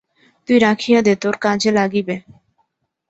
তুই রাখিয়া দে, তোর কাজে লাগিবে।